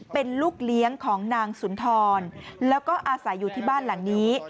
เป็นลูกเลี้ยงของนางสุนทรแล้วก็อาศัยอยู่ที่บ้านหลังนี้